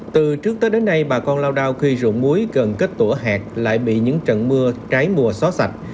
từ trước tới đến nay bà con lao đao khi rụng muối gần kết tổ hạt lại bị những trận mưa trái mùa xóa sạch